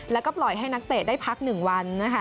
แล้วก็ปล่อยให้นักเตะได้พัก๑วันนะคะ